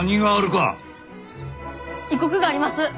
異国があります！